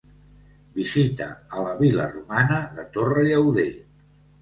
Visita a la vil·la romana de Torre Llauder.